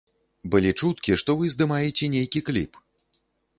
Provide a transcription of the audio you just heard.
Былі чуткі, што вы здымаеце нейкі кліп.